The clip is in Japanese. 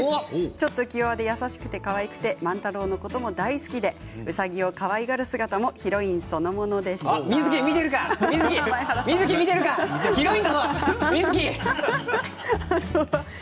ちょっと気弱で優しくてかわいくて万太郎のことも大好きでうさぎをかわいがる姿もヒロインそのものでしたということです。